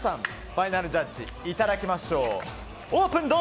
ファイナルジャッジいただきましょう。